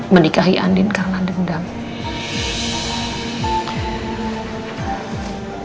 menikahi andin karena dendam